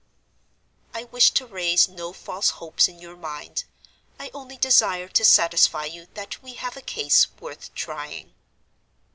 "I wish to raise no false hopes in your mind. I only desire to satisfy you that we have a case worth trying.